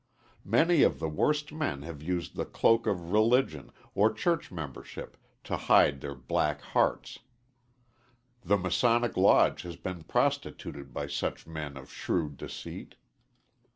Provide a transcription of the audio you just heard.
Many of the worst men have used the cloak of religion, or church membership, to hide their black hearts. The masonic lodge has been prostituted by such men of shrewd deceit.